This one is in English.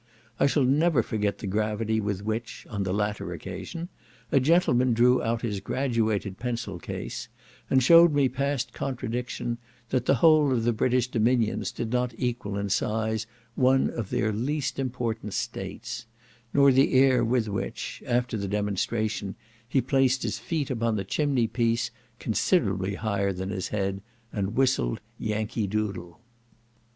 I shall never forget the gravity with which, on the latter occasion, a gentleman drew out his graduated pencil case, and shewed me past contradiction, that the whole of the British dominions did not equal in size one of their least important states; nor the air with which, after the demonstration, he placed his feet upon the chimney piece, considerably higher than his head, and whistled Yankee Doodle.